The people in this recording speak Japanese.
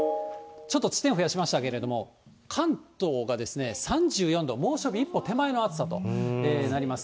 ちょっと地点増やしましたけれども、関東が３４度、猛暑日一歩手前の暑さとなります。